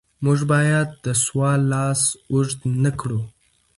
موږ باید د سوال لاس اوږد نکړو.